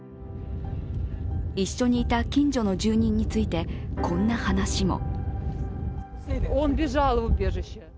一緒にいた近所の住人についてこんな話も。